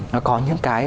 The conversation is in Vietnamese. nó có những cái